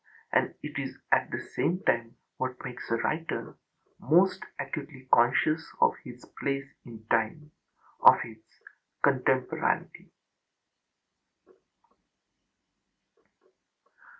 And it is at the same time what makes a writer most acutely conscious of his place in time, of his contemporaneity.